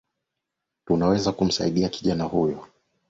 Tunaweza kumsaidia kijana huyo